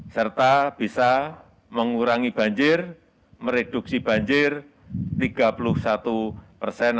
serta bisa mengurangi banjir mereduksi banjir tiga puluh satu persen